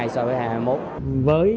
so với hai nghìn hai mươi một